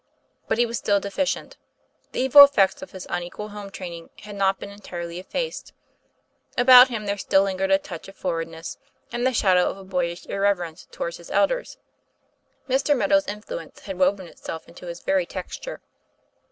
But he was still deficient; the evil effects of his unequal home training had not been entirely effaced. About him there still lingered a touch of forward ness, and the shadow of a boyish irreverence toward TOM PLAYFATR. 253 his elders. Mr. Meadow's influence had woven it self into his very texture.